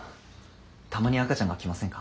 たまに赤ちゃんが来ませんか？